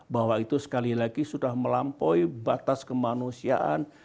bahwa itu sekali lagi sudah melampaui batas kemanusiaan